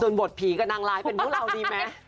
ส่วนบทผีกับนางลายเป็นบุราวดีมั้ย